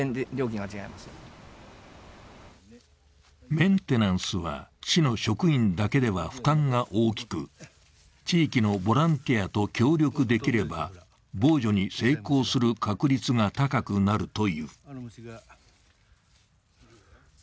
メンテナンスは市の職員だけでは負担が大きく、地域のボランティアと協力できれば防除に成功する確率が高くなるという。